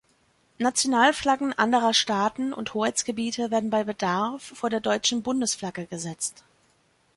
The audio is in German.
Nationalflaggen anderer Staaten und Hoheitsgebiete werden bei Bedarf vor der deutschen Bundesflagge gesetzt.